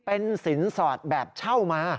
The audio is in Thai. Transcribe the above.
เป็นสินสอดแบบเช่ามา